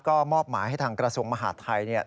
ก็มอบหมายให้ทางกระทรวงมหาดไทย